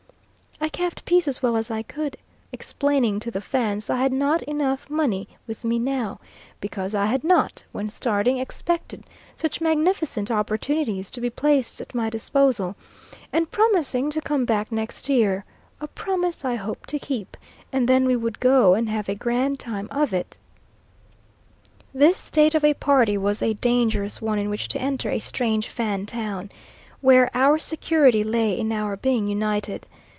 I kept peace as well as I could, explaining to the Fans I had not enough money with me now, because I had not, when starting, expected such magnificent opportunities to be placed at my disposal; and promising to come back next year a promise I hope to keep and then we would go and have a grand time of it. This state of a party was a dangerous one in which to enter a strange Fan town, where our security lay in our being united.